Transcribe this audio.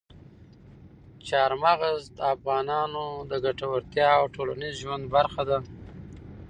چار مغز د افغانانو د ګټورتیا او ټولنیز ژوند برخه ده.